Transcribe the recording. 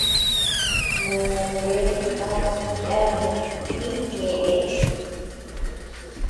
Mòo bea ama ñana lï ñeʼë.